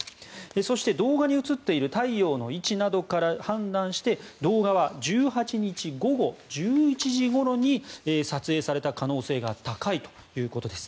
そして、動画に映っている太陽の位置などから判断して動画は１８日午後１１時ごろに撮影された可能性が高いということです。